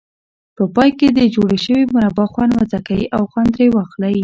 په پای کې د جوړې شوې مربا خوند وڅکئ او خوند ترې واخلئ.